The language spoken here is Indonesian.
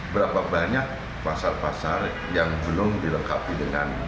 berapa banyak pasar pasar yang belum dilengkapi dengan